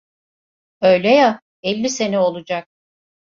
Öyle ya… elli sene olacak.